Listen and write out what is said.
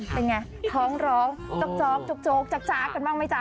เป็นไงท้องร้องจ๊อกโจ๊กจ๊กกันบ้างไหมจ๊